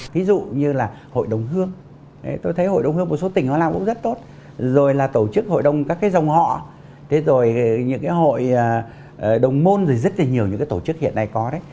ví dụ như là hội đồng hương tôi thấy hội đồng hương một số tỉnh họ làm cũng rất tốt rồi là tổ chức hội đồng các cái dòng họ thế rồi những cái hội đồng môn rồi rất là nhiều những cái tổ chức hiện nay có đấy